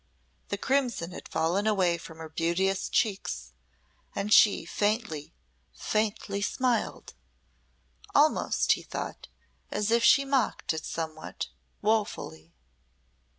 The crimson had fallen away from her beauteous cheeks and she faintly, faintly smiled almost, he thought, as if she mocked at somewhat, woefully.